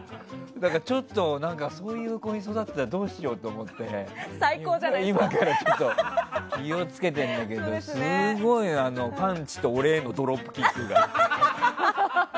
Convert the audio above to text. だから、ちょっとそういう子に育ったらどうしようと思って今からちょっと気を付けてるんだけどすごい、パンチと俺へのドロップキックが。